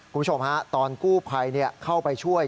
กลุ่มผู้ชมตอนกู้ไพเข้าไปช่วย